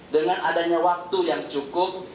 dengan adanya waktu yang cukup